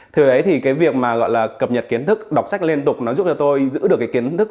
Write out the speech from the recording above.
thế thì cái việc mà gọi là cập nhật kiến thức đọc sách liên tục nó giúp cho tôi giữ được cái kiến thức